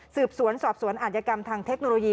สี่หัวสอบสวนอาทิกรรมทางเทคโนโลยี